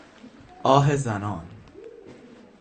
آه زنان